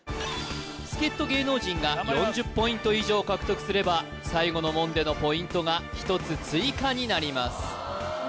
助っ人芸能人が４０ポイント以上獲得すれば最後の門でのポイントが１つ追加になります